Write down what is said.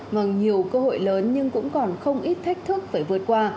vâng nhiều cơ hội lớn nhưng cũng còn không ít thách thức phải vượt qua